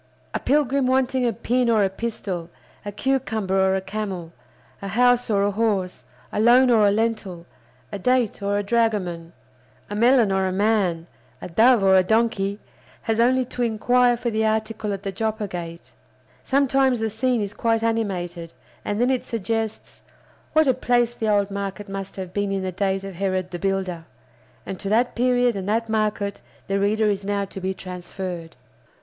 A pilgrim wanting a pin or a pistol, a cucumber or a camel, a house or a horse, a loan or a lentil, a date or a dragoman, a melon or a man, a dove or a donkey, has only to inquire for the article at the Joppa Gate. Sometimes the scene is quite animated, and then it suggests, What a place the old market must have been in the days of Herod the Builder! And to that period and that market the reader is now to be transferred.